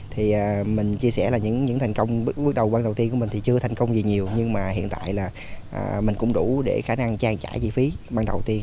thì mình chia sẻ là những thành công bước đầu ban đầu tiên của mình thì chưa thành công gì nhiều nhưng mà hiện tại là mình cũng đủ để khả năng trang trải phí ban đầu tiên